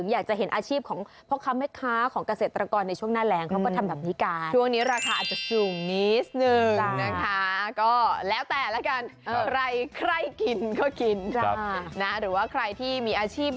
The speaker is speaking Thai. มันไม่ได้คลุกดินอะไร